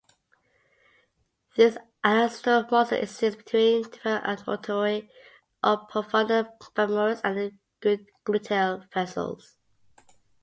These anastomoses exist between the femoral artery or profunda femoris and the gluteal vessels.